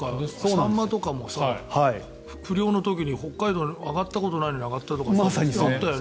去年ぐらいからサンマとかも不漁の時に北海道に上がったことがないのに上がったとか。